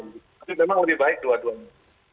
itu memang lebih baik dua duanya